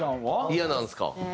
イヤなんですか？